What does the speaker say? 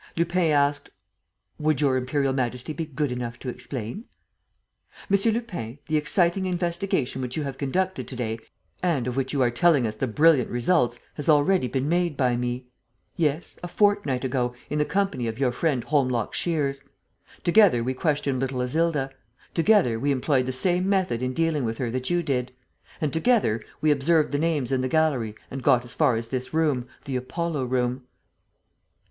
Lupin asked: "Would Your Imperial Majesty be good enough to explain?" "M. Lupin, the exciting investigation which you have conducted to day and of which you are telling us the brilliant results has already been made by me ... yes, a fortnight ago, in the company of your friend Holmlock Shears. Together we questioned little Isilda; together, we employed the same method in dealing with her that you did; and together we observed the names in the gallery and got as far as this room, the Apollo Room."